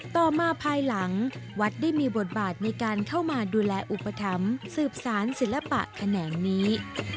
ต่อมาภายหลังวัดได้มีบทบาทในการเข้ามาดูแลอุปถัมภ์สืบสารศิลปะแขนงนี้